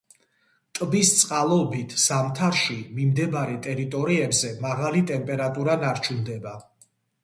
ტბის წყალობით, ზამთარში, მიმდებარე ტერიტორიებზე მაღალი ტემპერატურა ნარჩუნდება.